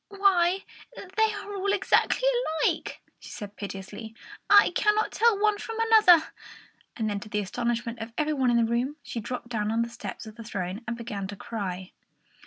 "Why, they are all exactly alike!" she said piteously. "I cannot tell one from another." And to the astonishment of every one in the room, she dropped down on the steps of the throne and began to cry.